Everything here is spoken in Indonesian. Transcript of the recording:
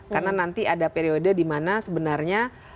karena nanti ada periode di mana sebenarnya